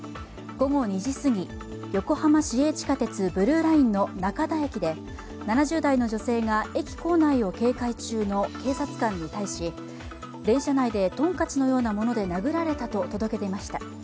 午後２時すぎ、横浜市営地下鉄ブルーラインの中田駅で７０代の女性が駅構内を警戒中の警察官に対し電車内でトンカチのようなもので殴られたと届け出ました。